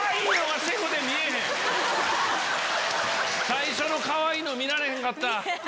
最初のかわいいの見られへんかった。